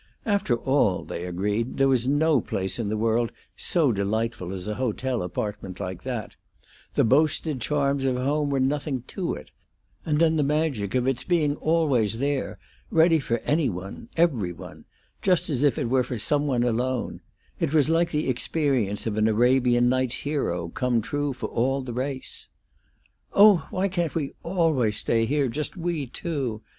After all, they agreed, there was no place in the world so delightful as a hotel apartment like that; the boasted charms of home were nothing to it; and then the magic of its being always there, ready for any one, every one, just as if it were for some one alone: it was like the experience of an Arabian Nights hero come true for all the race. "Oh, why can't we always stay here, just we two!"